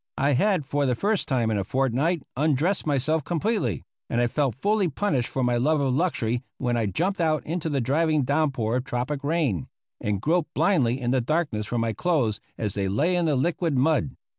I had for the first time in a fortnight undressed myself completely, and I felt fully punished for my love of luxury when I jumped out into the driving downpour of tropic rain, and groped blindly in the darkness for my clothes as they lay in the liquid mud.